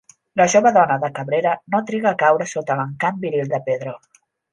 La jove dona de Cabrera no triga a caure sota l'encant viril de Pedro.